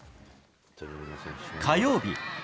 火曜日。